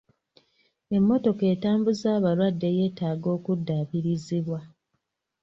Emmotoka etambuza abalwadde yeetaaga okuddaabirizibwa.